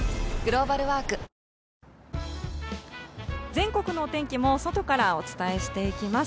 全国のお天気も外からお伝えしていきます。